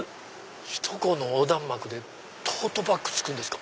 首都高の横断幕でトートバッグ作るんですか。